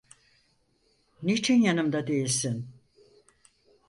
Niçin yanımda değilsin?